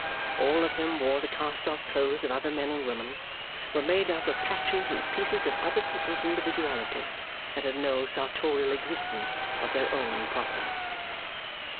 All of them wore the cast off clothes of other men and women, were made up of patches and pieces of other people's individuality, and had no sartorial existence of their own proper.